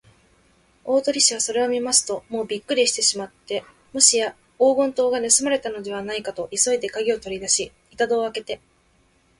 大鳥氏はそれを見ますと、もうびっくりしてしまって、もしや黄金塔がぬすまれたのではないかと、急いでかぎをとりだし、板戸をあけて